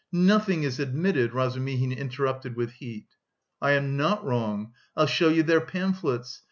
"Nothing is admitted," Razumihin interrupted with heat. "I am not wrong. I'll show you their pamphlets.